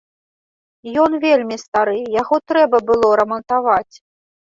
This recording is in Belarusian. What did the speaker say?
Ён вельмі стары, яго трэба было рамантаваць.